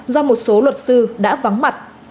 do một số luật sư đã vắng mặt